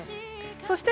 そして